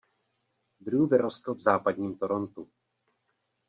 Drew vyrostl v západním Torontu.